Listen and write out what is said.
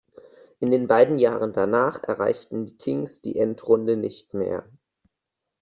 In den beiden Jahren danach erreichten die Kings die Endrunde nicht mehr.